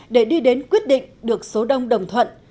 để đi đến quyết định được số đông đồng thuận